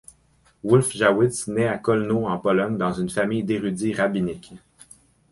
Wolf Jawitz naît à Kolno, en Pologne, dans une famille d’érudits rabbiniques.